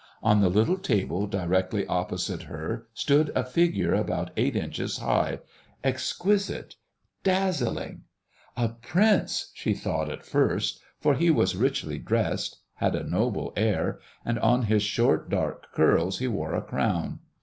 On the little table directly opposite her, stood a figure about eight inches high, exquisite, dazzling! "A prince!" she thought at first; for he was richly dressed, had a noble air, and on his short dark curls he wore a crown.